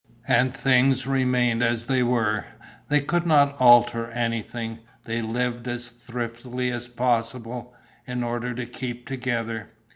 And things remained as they were: they could not alter anything; they lived as thriftily as possible, in order to keep together.